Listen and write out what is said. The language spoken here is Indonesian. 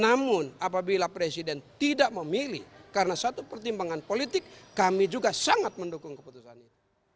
namun apabila presiden tidak memilih karena satu pertimbangan politik kami juga sangat mendukung keputusan itu